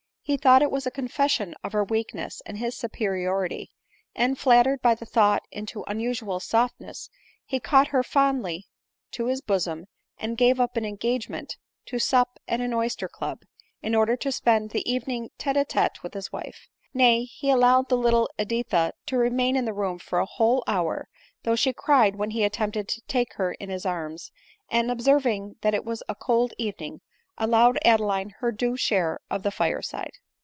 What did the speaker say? He thought it was a confession of her weakness and his superiority j and, flattered by the thought into unusual softness, he caught her fondly to his bosom, and gave up an engage ment to sup at an oyster club, in order to spend die evening tete a tete with his wife. Nay, he allowed the little Editha to remain in the room for a whole hour, though she cried when he attempted to take her in his arms, and, observing that it was a cold evening, allowed Adeline her due share of the fire side.